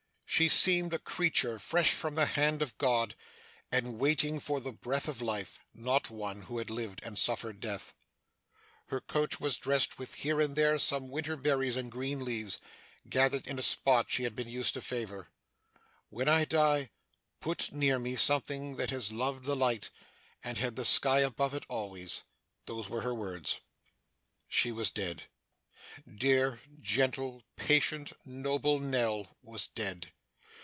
She seemed a creature fresh from the hand of God, and waiting for the breath of life; not one who had lived and suffered death. Her couch was dressed with here and there some winter berries and green leaves, gathered in a spot she had been used to favour. 'When I die, put near me something that has loved the light, and had the sky above it always.' Those were her words. She was dead. Dear, gentle, patient, noble Nell was dead.